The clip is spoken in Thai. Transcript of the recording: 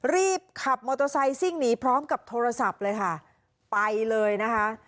รีบขับมอเตอร์ไซค์ซิ่งหนีพร้อมกับโทรศัพท์เลยค่ะไปเลยนะคะ